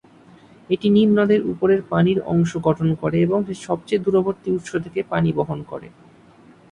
এটি নীল নদের উপরের পানির অংশ গঠন করে এবং এর সবচেয়ে দূরবর্তী উৎস থেকে পানি বহন করে।